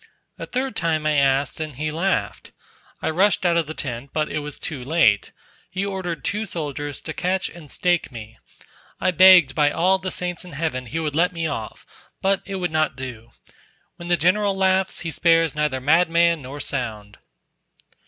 A third time I asked, and he laughed. I rushed out of the tent, but it was too late he ordered two soldiers to catch and stake me. I begged by all the saints in heaven he would let me off; but it would not do, when the general laughs he spares neither mad man nor sound."